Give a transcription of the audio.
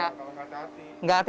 kalau gak hati hati